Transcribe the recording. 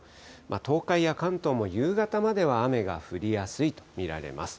東海や関東も夕方までは雨が降りやすいと見られます。